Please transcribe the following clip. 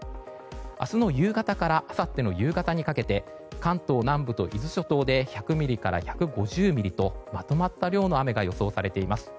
明日の夕方からあさっての夕方にかけて関東南部と伊豆諸島で１００ミリから１５０ミリとまとまった量の雨が予想されています。